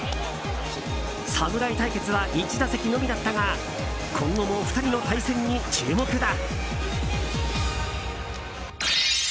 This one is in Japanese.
侍対決は１打席のみだったが今後も２人の対戦に注目だ。